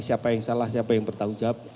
siapa yang salah siapa yang bertanggung jawab